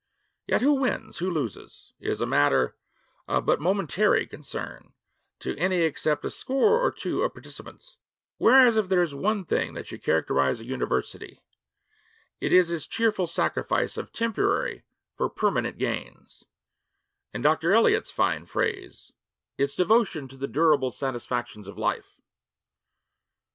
Yet who wins, who loses, is a matter of but momentary concern to any except a score or two of participants; whereas, if there is one thing that should characterize a university, it is its cheerful sacrifice of temporary for permanent gains, in Dr. Eliot's fine phrase, its devotion to the durable satisfactions of life.